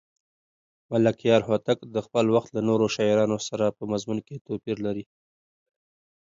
ملکیار هوتک د خپل وخت له نورو شاعرانو سره په مضمون کې توپیر لري.